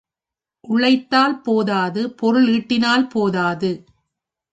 உழைத்தால் போதாது பொருள் ஈட்டினால் போதாது.